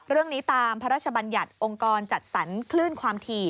เรื่องนี้ตามพระราชบัญญัติองค์กรจัดสรรคลื่นความถี่